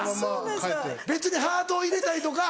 別にハートを入れたりとか。